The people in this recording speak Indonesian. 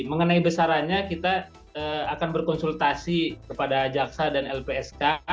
mengenai besarannya kita akan berkonsultasi kepada jaksa dan lpsk